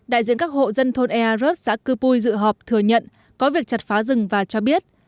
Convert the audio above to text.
đại diện các hộ dân thôn earus xã cư pui dự họp thừa nhận có việc chặt phá rừng và cho biết